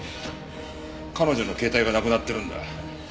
彼女の携帯がなくなってるんだ。